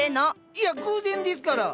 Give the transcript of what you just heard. いや偶然ですから。